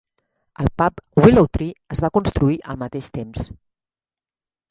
El pub "Willow Tree" es va construir al mateix temps.